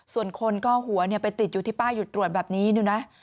ส่วนคนก็หัวไปติดอยู่ที่ป้ายหยุดตรวจแบบนี้ดูนะ